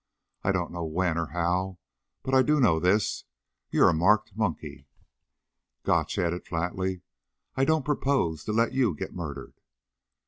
I don't know when or how but I do know this: You're a marked monkey." Gotch added flatly: "I don't propose to let you get murdered."